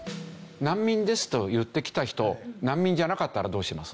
「難民です」と言ってきた人難民じゃなかったらどうします？